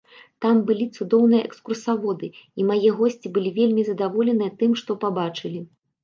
Там былі цудоўныя экскурсаводы, і мае госці былі вельмі задаволеныя тым, што пабачылі.